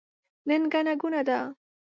نن ګڼه ګوڼه ده.